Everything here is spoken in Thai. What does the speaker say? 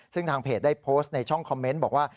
ซึ่งทางเพจได้โพสต์ในช่องคอมเมนต์บอกว่า